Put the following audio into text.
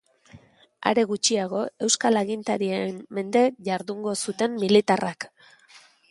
Are gutxiago, euskal agintarien mende jardungo zuten militarrak.